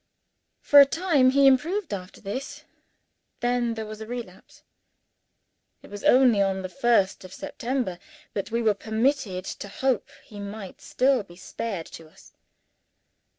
For a time, he improved after this. Then there was a relapse. It was only on the first of September that we were permitted to hope he might still be spared to us.